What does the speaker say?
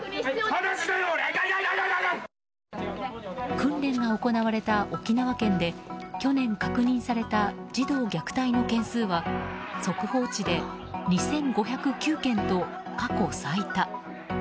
訓練が行われた沖縄県で去年確認された児童虐待の件数は速報値で２５．９件と過去最多。